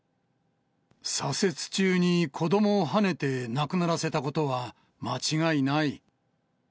：左折中に子どもをはねて亡くならせたことは間違いない。